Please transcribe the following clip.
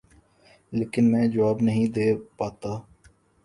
لیکن میں جواب نہیں دے پاتا ۔